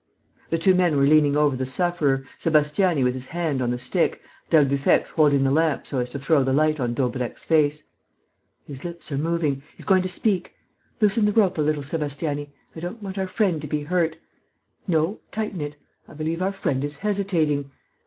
The two men were leaning over the sufferer, Sébastiani with his hand on the stick, d'Albufex holding the lamp so as to throw the light on Daubrecq's face: "His lips are moving ... he's going to speak. Loosen the rope a little, Sébastiani: I don't want our friend to be hurt.... No, tighten it: I believe our friend is hesitating....